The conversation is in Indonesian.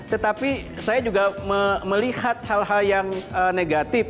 tetapi saya juga melihat hal hal yang negatif